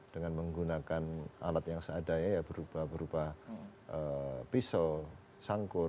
dengan menggunakan alat yang seadanya ya berupa pisau sangkur